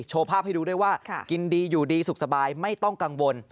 โชว์ภาพให้ดูด้วยว่ากินดีอยู่ดีสุขสบายไม่ต้องกังวล